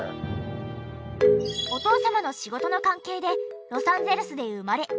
お父様の仕事の関係でロサンゼルスで生まれ。